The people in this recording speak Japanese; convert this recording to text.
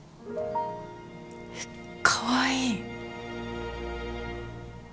かわいい。